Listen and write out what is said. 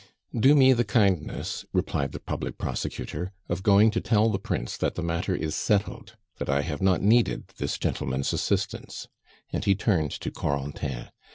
"Do me the kindness," replied the public prosecutor, "of going to tell the Prince that the matter is settled, that I have not needed this gentleman's assistance," and he turned to Corentin.